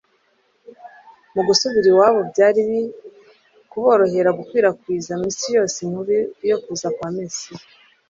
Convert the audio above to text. Mu gusubira iwabo, byari kuborohera gukwirakwiza mu isi yose, inkuru yo kuza kwa Mesiya.